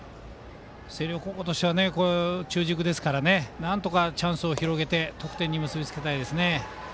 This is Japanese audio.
星稜高校は中軸ですからなんとかチャンスを広げて得点に結び付けたいですね。